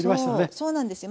そうなんですよ。